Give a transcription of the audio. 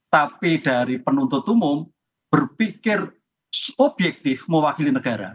tapi dari penuntut umum berpikir objektif mewakili negara